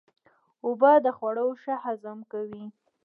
اوبه د خوړو ښه هضم کوي.